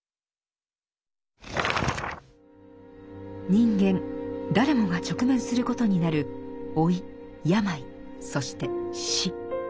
人間誰もが直面することになる老い病そして死。